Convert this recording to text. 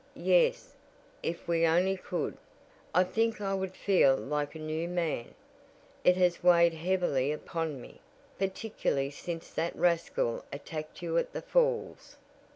"Yes, if we only could, I think I would feel like a new man. It has weighed heavily upon me, particularly since that rascal attacked you at the falls."